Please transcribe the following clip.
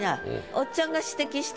おっちゃんが指摘した